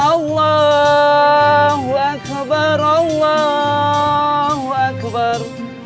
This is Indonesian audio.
allahu akbar allahu akbar